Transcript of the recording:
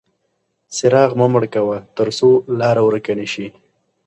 څراغ مه مړ کوه ترڅو لاره ورکه نه شي.